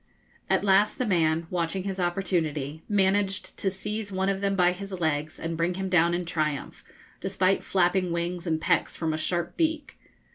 At last the man, watching his opportunity, managed to seize one of them by his legs and bring him down in triumph, despite flapping wings and pecks from a sharp beak.